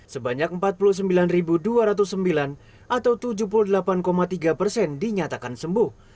sebanyak empat puluh sembilan dua ratus sembilan atau tujuh puluh delapan tiga persen dinyatakan sembuh